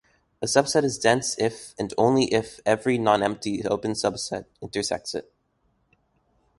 A subset is dense if and only if every nonempty open subset intersects it.